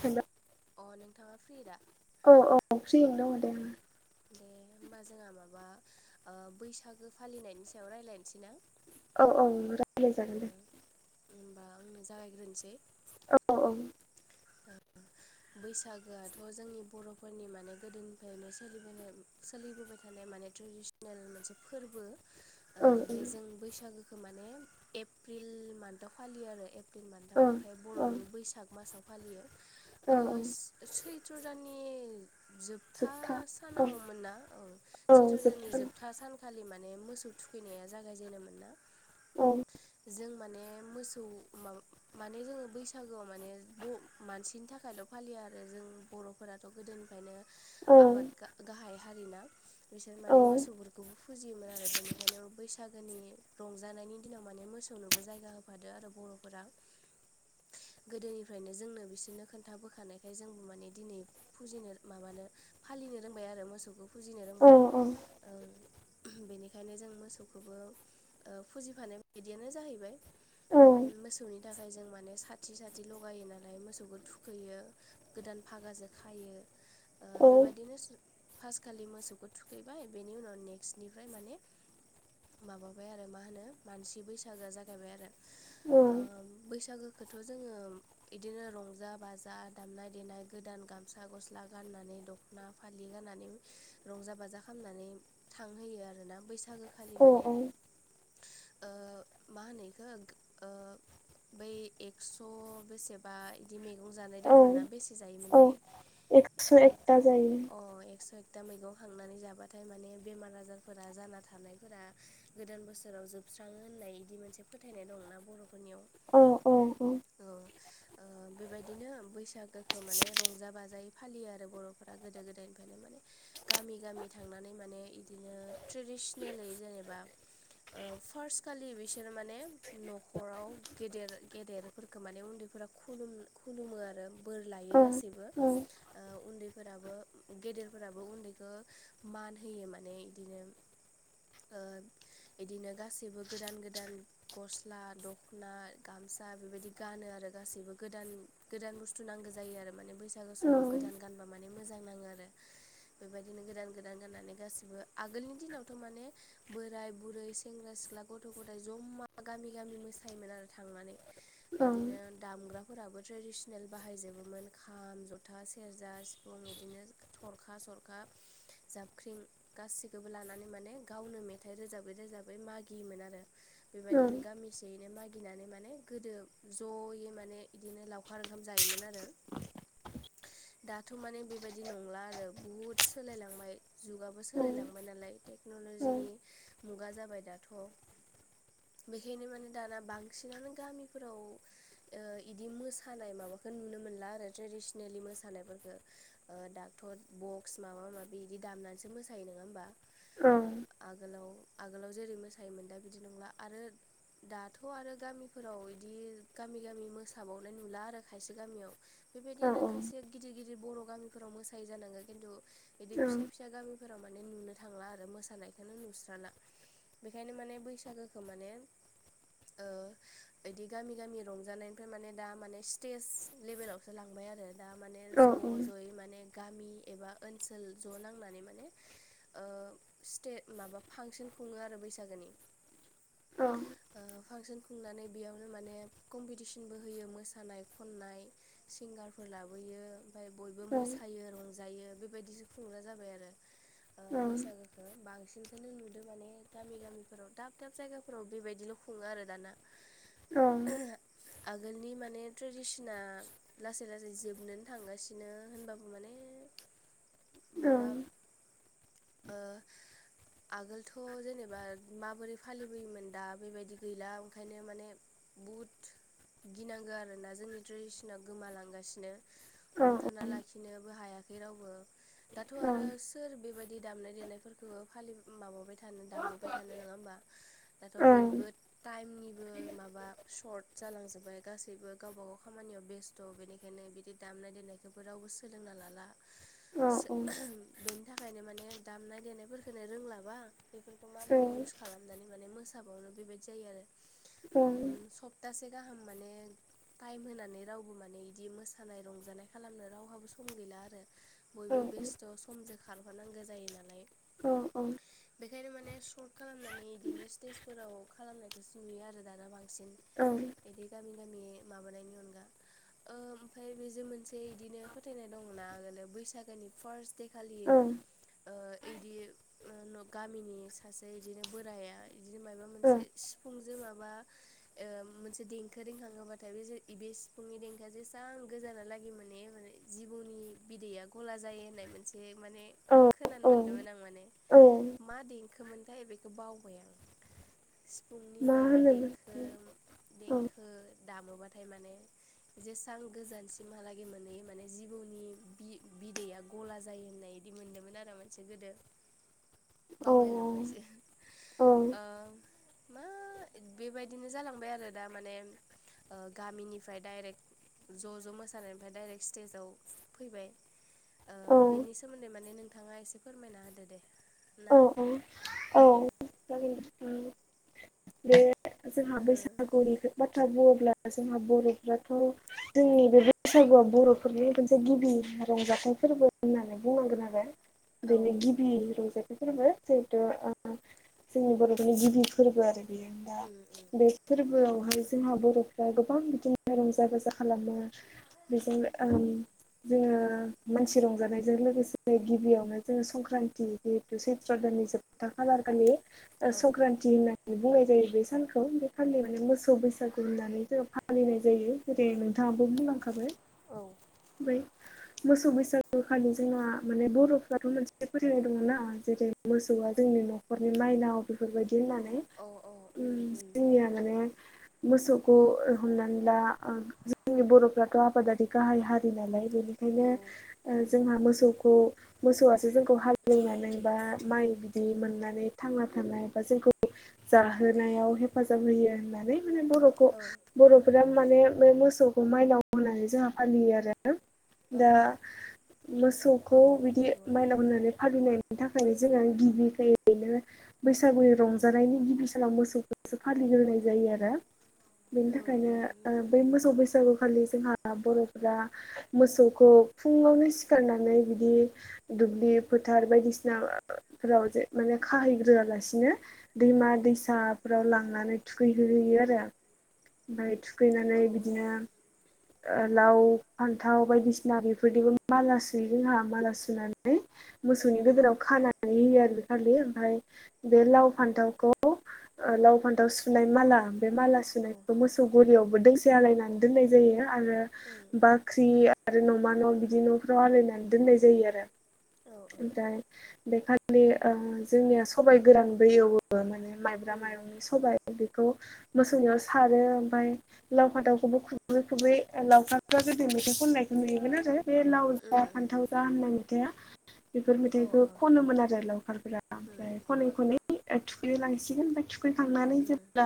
होनबा अ नोंथाङा फ्रि दा? औ औ फ्रियैनो अ दङ दे ओं। दे होमबा जोंहा माबा ओ बैसागो फालिनायनि सायाव रायलायनसै ना। औ औ रायज्लाय जागोन दे। होनबा आंनो जागायग्रोनसै। औ औ। औ बैसागोआथ' जोंनि बर'फोरनि माने गोदोनिफ्रायनो सोलिबोनाय सोलिबोबाय थानाय माने ट्रेडिसनेल मोनसे फोरबो। ओ औ बे जों बैसागोखौ माने एप्रिल मान्थाव फालियो आरो ए फ्रिल मान्थाव औ ओमफाय औ बर'नि बैसाग मासाव फालियो। औ औ ओस सैत्र दान जोबथा सानाव मोन ना औ सैथ्र दाननि जोबथा सान खालि माने मोसौ थुखैनाया जागायजेनो औ माने मोसौ म माने जोङो बैसागोआव माने मानसिनि थाखायल' फालिया आरो जों बर'फोराथ' गोदोनिफ्रायनो औ आबाद गा गाहाय हारिना बिसोर औ माने मोसौफोरखौबो फुजियोमोन आरो बेनिखायनो बैसा गो रंजानायनि दिनाव माने मोसौनोबो जायगा होफादो आरो बर'फोरा गोदोनि निफ्रायनो जोंनो बिसोरनो खोन्थाबोखानायखाय जोंबो माने दिनै फुजिनो माबानो फालिनो रोंबाय आरो मोसौखौ फुजिनो रोंबाय औ बेनिखायनो जों मोसौखौबो ओ फुजिफानाय बायदियानो जाहैबाय मोसौनि थाखाय जों माने साथि साथि ल गायो नालाय मोसौखौ थुखैयो गोदान फागाजों खायो ओ बेबायदिनो फार्स्ट खालि मोसौखौ थुखैबाय बेनि उनाव नेक्स्टनिफ्राय माने माबाबाय आरो मा होनो मानसि बैसागोआ जागायबाय आरो औ ओ बैसागोखौथ' जोङो बिदिनो रंजा बाजा दामनाय देनाय गोदान गामसा गस्ला गाननानै दख'ना फालि लानानै रंजा बाजानानै रंजा बाजा खामनानै थांहोयोना बैसागो खालि औ माने ओ मा होनो इखौ बै एक्स' बेसेबा बिदि मे गं जानाय औ दंमोन ना बेसे जायोमोनलाय एकस' एक एकथा जायो अ एक्स' एक था मैगं खांनानै जाबाथाय माने बेमार आजारफोरा जाना थानायफोरा गोदान बोसोराव जोब स्राङो होननाय इदि मोनसे फोथायनाय दंना बर' औ औ औ ओ बेबायदिनो बैसागोखौ माने रंजा बाजायै फालियो आरो बर'फोरा गोदो गोदायनिफ्रायनो माने गामि गामि थांनानै माने बिदिनो ट्रेडि सनेलै जेनेबा ओ फार्स्ट खालि बिसोर माने न'खराव गेदेर गेदेरफोरखौ माने उन्दै फोरा खुलुम खुलुमो आरो बोर लायो गासैबो उन्दैफोराबो गेदेरफोराबो उन्दैखौ मान होयो माने बिदिनो ओ इदिनो गासैबो गोदान गोदान गस्ला दखना गाम जा बेबायदि गानो आरो गासैबो गोदान गोदान बुस्थु नांगौ जायो आरो माने बैसागु समाव गोदान गानबा मान मोजां नाङो आरो बेबायदिनो गोदान गोदान गाननानै गासिबो आगोलनि दिनावथ माने बोराय बुरै सेंग्रा सिख सिख्ला गथ' गथाय जमा गामि गामि मोसायोमोन आरो थांनानै बिदिनो ग्राफोराबो ट्रेडिसनेल बाहायजोबोमोन खाम ज'था सेरजा सिफुं बिदिनो थ सरखा जाबख्रिं गासिखौबो लानानै माने गावनो मेथाइ रोजाबै रोजाबै म मागियोमोन आरो बेबायदिनो गामिसेैनो मागिनानै माने गोदो ज इदिनो लवखार ओंखाम जायोन आरो दाथ माने बेबायदि नंला आरो बुहुत सोलायलांबाय जुगाबो सोलायलांबाय नालाय तेक औ नलजिनि मुगा जाबाय दाथ बेखायनो माने दाना बांसिनानो गामिफोराव ओ इदि मोसानाय माबाखौ नुनो मोनला आरो ट्रेदिसनेलि मोसानायफोरखौ ओ दाथ ब बक्स माबा माबि बिदि दामनानैसो मोसायो नोङा होमबा आगोलाव आगोलाव जेरै मोसायोमोन दा बिदि नंला आरो दाथ आरो गामिफोराव इदि गामि गामि मोसाबावनाय नुला आरो खायसे गामियाव बेबायदिनो खायसे गिदिर गिदिर बिदि बर' गामिफोराव मोसायो जानांगो खिन्थु बिदि फिसा फिसा गामि फोराव माने नुनो थांला आरो मोसानायखौनो नुस्राला बेखायनो माने बैसागोखौ माने बिदि गामि गामि रंजानायनिफ्राय माने दा माने स्टेज लेभेलावसो लांबाय आरो दा माने ज जयै माने गामि एबा ओनसोल ज' नांनानै माने स्टे माबा फांसन खुङो आरो बैसागोनि फांसन खुंनानै बेयावनो माने कम्पिटिसनबो होयो मोसानाय खननाय सिंगारफोर लाबोयो ओमफफ्राय बयबो मोसायो रंजायो बेबायदिसो खुंगा जाबाय आरो बैसागोखौ बांसिन बांसिनखौनो नुदों माने गामि गामिफोराव दाब दाब जायगाफोराव बेबायदिल खुङो आरो दाना औ आगोलनि माने ट्रेडिसना लासै लासै जोबनोनो थांगासिनो होनबाबो माने औ माबा आगोलथ जेनेबा माबोरै फालिबोयोमोन दा बेबायदि गैला ओंखायनो माने बुहुद गिनांगौ आरोना जोंनि ट्रेडिसनााव गोमालांगासिनो औ हमथाना लाखि लाखिनोबो हायाखै रावबो दाथ आरो ओं सोर बेबायदि दामनाय देनायफोरखौबो फालि माबाय थानो दामबोबाय थानो नङा होमबा दाथ ओं बयबो टाइमनिबो माबा सर्ट जालांजोब्बाय गासैबो गावबा गाव खामानियाव बेस्थ बेनिखायनो बिदि दामनाय देनायखौबो रावबो सोलों लाला औ औ बेनि थाखायनो माने दामनाय देनायफोरखौनो रोंलाबा बेफोरखौ माबोरै जों इउस खालामनानै माने मोसाबावनो बेबायदि जायो आरो उम सप्तासे गाहाम माने टाइम होनानै रावबो माने बिदि मोसानाय रंजानाय खालामनो रावहाबो स सम गैला आरो औ बयबो बेस्थ समजों खारहानांगौ जायो नालाय औ औ बेखायनो माने सर्ट खालामनानै बिदिनो स्टेजफोराव खालामनायखौसो नुयो आरो दाना बांसिन औ बिदि गामि माबानायनि अनगा ओ ओमफ्राय बेजों मोनसे बिदिनो फोथायनाय दंना आगोलो बैसागोनि फार्स्ट दे खालि ओं ओ इदि गामिनि सासे बिदिनो बोराया बिदिनो माबा मोनसे सिफुंजो माबा मोनसे देंखो रिंखाहोबाथाय बे बे सिफुंनि देंखोआ जेसेबां गोजाना लागि मोने माने जिबौनि बिदैया गला जायो होननाय मोनसे माने ओं औ खोनानो औ मोनदोंमोन आं माने औ मा देंखोमोनथाय बेखौ बावबाय आं सिफुंनि मा मायबा होनोमोन देंखो दें खो दामोबाथाय माने जेसेबां गोजानसिमहालागै मोन माने जिबौनि बिदैया गला जायो होननाय बिदि मोन्दोंमोन आरो मोनसे गोदो ओं बावलायलांबायसो औ औ ओ मा बेबायदिनो जालांबाय आरो दा माने गामिनिफ्राय डाइरेक्ट ज' ज' मोसानायनिफ्राय डाइरेक्ट स्टेजाव फैबाय ओ औ बेनि सोमोन्दै माने नों नोंथाङा एसे फोरमायना होदो दे ना औ औ औ दे बे जोंहा बैसागुनि बाथ्रा बुङोब्ला जोंहा बर'फ्राथ' जोंनि बे बैसागुआव बर'फोरनि मोनसे गिबि रंजाथाइ फोरबो होननानै बुंनांगोन आरो ओ औ बेनो गिबि रंजा थाइ फोरबो जिहेथु जोंनि बर'फोरनि गिबि फोरबो आरो बेयो दा उम उम बे फोरबोआवहाय जोंहा बर'फ्रा गोबां बिदिनो रंजा बाजा खालामो बेजों ओम जोङो मानसि रंजानायजों लोगोसे गिबियावनो जोङो संक्रान्ति जिहेतु सैत्र दान नि जोबथा खालार खालि औ संक्रान्ति होननानै बुंनाय जायो बे सान खौ बे खालि माने मोसौ बैसागु होननानै जोङो फालिनाय जायो जेरै नोंथाङाबो बुंलांखाबाय औ ओमफ्राय मोसौ बैसागु खालि जोंहा माने बर'फ्राथ' मोनसे फोरोंनाय दङ ना जेरै मोसौआ जों नि नखरनि माइनाव बेफोरबायदि होननानै उम उम जोंनिया माने मोसौखौ हमनानै ला जोंनि बर'फ्राथ' आबादारि गाहाय हारि नालाय बेनि औ उम खायनो जोंहा मोसौखौ मोसौआसो जोंखौ हालेवनानै बा माइ बिदि मोननानै थांना थानाय बा जोंखौ जाहोनायाव हेफाजाब होयो होननानै माने बर'खौ औ बर' फ्रा माने बे मोसौखौ माइनाव होननानै जोंहा फालियो आरो औ दा औ मोसौखौ औ बिदि नंगौ माइनाव होननानै फालिनाय बेनि थाखायनो जोङो गिबिखाय ओरैनो बैसागुनि रंजानायनि गिबि सानाव मोसौखौ सो फालिग्रोनाय जायो आरो बेनि ओं औ उम थाखायनो उम बै मोसौ बैसागुखालि जोंहा बर'फोरा मोसौखौ फुङावनो सिखारनानै बिदि दुब्लि फोथार बायदिसिनाफोराव जे माने खाहैग्रोआलासिनो औ दैमा दैसा फोराव लांनानै थुखैहो होयो आरो ओमफ्राय थुखैनानै औ उम औ उम बिदिनो लाव फान्थाव बायदिसिना बेफोरदिबो माला सुयो जोंहा माला सुनानै मोसौनि उम गोदोराव खाना नै होयो आरो बे खालि ओमफ्राय बे लाव फान्थावखौ लाव फान्थाव सुनाय माला बे माला सुनायखौ मोसौ गलियावबो दें से आलायनानै दोननाय जायो आरो बाख्रि आरो न'मा न' बिदि न'फ्राव आलायनानै दोन नाय जायो आरो औ ओमफ्राय बेखालि ओ जोंनिया सबाय गोरान दैयावबो माने माइ ब्रा उम रंनि सबाइ बेखौ मोसौ सारो ओमफ्राय लाव फाथावखौबो खुबै खुबै बे लावखारफ्रा गोदो मेथाइ खननायखौ नुयोमोन आरो बे लाव उम जा फान्थाव जा होननाय मेथाइआ बेफोर औ मेथाइखौ उम खनोमोन आरो लावखारफोरा ओमफ्राय उम खनै खनै थुखैनो लांसिगोन ब फैखांनानै जेब्ला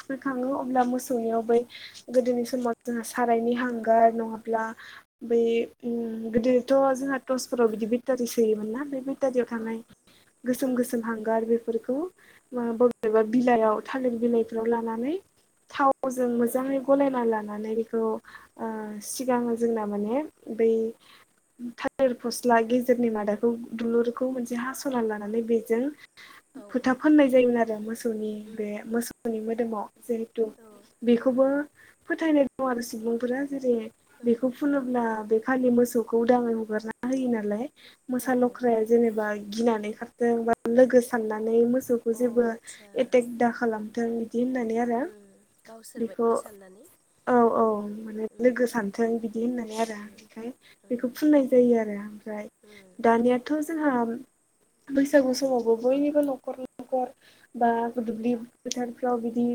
थुखैखाङो अब्ला मोसौनियाव बै गोदोनि समाव जोंहा सारायनि हांगार नङाब्ला बै गोदोथ' जोंहा टर्सफोराव बिदि बेटारि सोयोमोन ना बे बेटारियाव थानाय गोसोम उम गोसोम हांगार बेफोरखौ बबेबा उम बिलाइयाव थालिर बिलाइ फ्राव लानानै थावजों उम मोजाङै गलायना लानानै बेखौ सिगाङो जोंना माने बै थालिर फास्ला गेजेरनि मादाखौ दुलुरखौ मोनसे हास'रना लानानै बेजों औ फोथा उम फाननाय जायोमोन आरो मोसौनि बे उम मोसौनि मोदोमाव जिहेथु औ बेखौबो फोथायनाय दं आरो सुबुंफोरा जेरै बेखौ फुनोब्ला खालि मोसौखौ उदाङै हगारना होयो नालाय उम औ मोसा लख्राया जेनेबा गिनानै खारो जों बा लोगो साननानै मोसौखौ जेबो अ आदसा एटेक दा खालामथों बिदि होननानै आरो उम गावसोर बेखौ बायदि साननानै औ औ माने उम लोगो सानथों बिदि होननानै आरो उम ओंखाय बेखौ उम फुननाय जायो आरो ओमफ्राय उम उम दानियाथ' जोंहा बैसागु समावबो बयनिबो न'खर न'खर बा दुब्लि फोथारफ्राव बिदि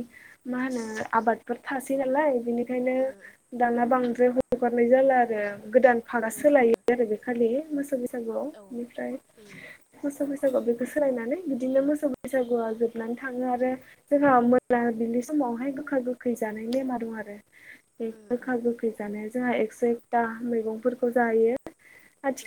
मा होनो आबादफोर थासै नालाय बि ओंखायनो उम दाना बांद्राय हगारनाय जाला आरो गोदान पार्कआ उम सोलायो आरो बे खालि मोसौ औ उम बैसागुआवनिफ्राय मोसौ बैसागुआव बेखौ सोलायनानै बिदिनो मोसौ बैसागुआ हाबनानै थाङो आरो जोंहा मैला बिनि समावहाय गोखा गोखै जानायनि नेमा दं आरो बे उम उम गोखा गोखै जानाया जोंहा एकस' एकथा मैगंफोरखौ जाहैयो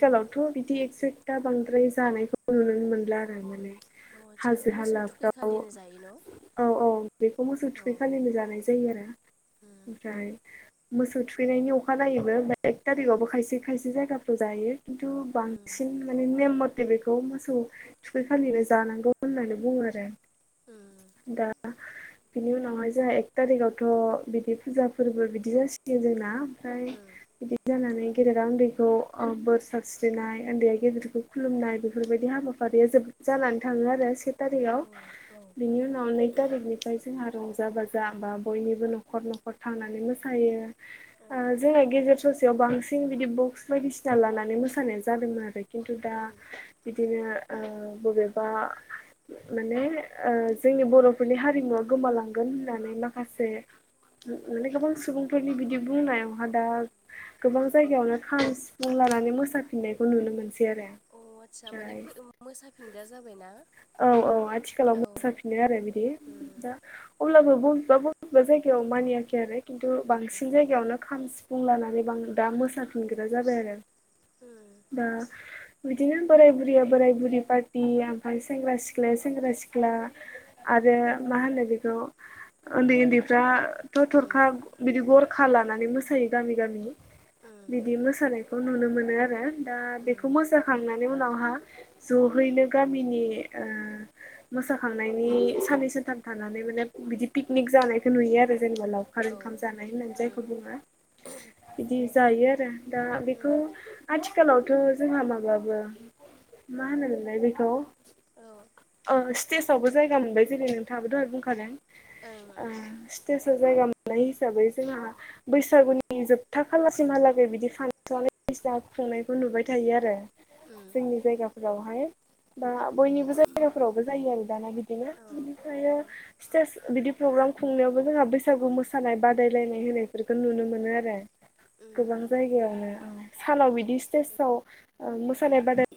उम बिदि एक्स एकटा बांद्राय जानायखौ नुनो मोनला आरो माने अ आदसा हाजो मोसौ थुखै हालाफ्राव खालिनो जायो न'? औ औ बेखौ मोसौ अ थुखै उम खालिनो जानाय जायो आरो ओमफ्राय मोसौ थुखैनायनि अखा जायोबोा एक थारिखआवबो खायसे खायसे जायगाफ्राव जायो खिनथु उम बांसिन माने नेम म थे बेखौ मोसौ थुखैखाालिनो जानांगौ होननानै बुङो आरो आं उम दा बिनि उनाव हाय जोंहा एक थारिखआवथ' बिदि फुजा फोरबो बिदि जासियो जोंना ओमफ्राय उम बिदि जानानै गेदेरा उन्दैखौ बोर ओ सारस्रिनाय उन्दैया गेदेरखौ खुलुमनाय बेफोरबायदि हाबाफारिया जोब जानानै थाङो आरो से थारिखआव औ औ बिनि उनाव नै थारिखनिफ्राय जोंहा रंजा बाजा बा बयनिबो न'खर न'खर थांनानै मोसायो औ ओ जोंहा गेजेर ससेयाव बांसिन बिदि बक्स बायदिसिना लानानै मोसानाय जादोंमोन आरो खिन्थु दा उम बिदिनो ओ बबेबा माने ओ जोंनि बर'फोरनि हारिमुवा गोमालांगोन होननानै माखासे माने गोबां सुबुंफोरनि बिदि बुंनायावहा दा गोबां जायगायावनो खाम सिफुं लानानै मोसाफिननायखौ नुनो मोनो अ आटसा माने फेद मोसाफिनदा जाबायना? औ औ आथिखालाव औ मोसाफिनो आरो बिदि उम दा अब्लाबो बबे बा बबेबा जायगायाव मानियाखै आरो खिन्थु उम बांसिन जायगायावनो खाम सिफुं लानानै बां दा मोसानो जानगा जाबाय आरो औ दा [unintelligible] बिदिनो बोराय बुरैया बोराय बुरि पार्टि ओमफ्राय सेंग्रा सिख्लाया सेंग्रा सिख्ला आरो मा होनो बेखौ उन्दै उन्दैफ्रा थ' थरखा बिदि गर खा लानानै मोसायो गामि गामि बिदि मोसानायखौ नुनो मोनो आरो दा बेखौ मोसाखांनायनि उनावहा जहैनो गामिनि ओ मोसाखांनायनि साननै सानथाम थानानै माने बिदि पिकनिक जानायखौ नुयो आरो जेनेबा लावखार ओंखाम जानाय होननानै जायखौ बुङा बिदि जायो आरो दा बेखौ आथिखालाव थ जोंहा माबाबो मा होनोमोनलाय बेखौ ओ स्टेजावबो जायगा मोनबाय जेरै नोंथाङाबो दहाय बुंखादों ओ स्टेज स्टेजाव जायगा मोननाय हिसाबै जोंहा बैसागुनि जोबथा खालासिमहालागै बिदि फानसन बायदिसिना खुंनायखौ नुबाय थायो आरो जोंनि जायगाफोरावहाय बा बयनिबो जाय जायगाफोरावबो जायो आरो दाना बिदिनो बिनिफ्रायो स्टेज बिदि प्रग्राम खुंनायावबो जोंहा बैस सागु मोसानाय बादायलायनाय होनायफोरखौ नुनो मोनो आरो गोबां औ जायगायावनो सानाव बिदि स्टेजाव ओ मोसानाय बादायनाय